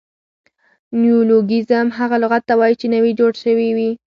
نیولوګیزم هغه لغت ته وایي، چي نوي جوړ سوي يي.